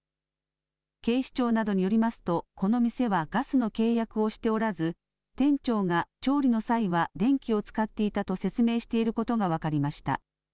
警視庁などによりますと、この店はガスの契約をしておらず、店長が調理の際は電気を使っていたと説明していることが分かりました。